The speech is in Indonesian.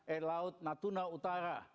eh laut natuna utara